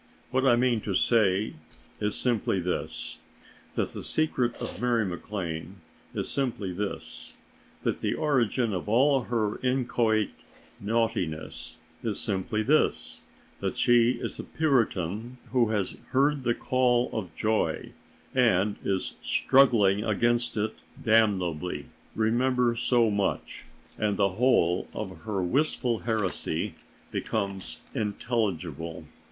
What I mean to say is simply this: that the secret of Mary MacLane is simply this: that the origin of all her inchoate naughtiness is simply this: that she is a Puritan who has heard the call of joy and is struggling against it damnably. Remember so much, and the whole of her wistful heresy becomes intelligible.